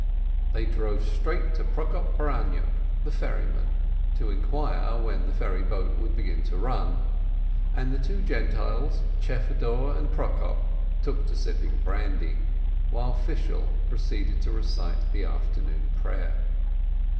They drove straight to Prokop Baranyuk, the ferryman, to inquire when the ferry boat would begin to run, and the two Gentiles, Chfedor and Prokop, took to sipping brandy, while Fishel proceeded to recite the Afternoon Prayer.